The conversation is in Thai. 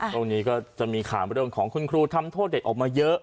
ตรงนี้ก็จะมีข่าวเรื่องของคุณครูทำโทษเด็กออกมาเยอะ